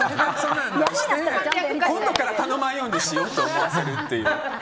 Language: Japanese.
今度から頼まんようにしようと思わせる。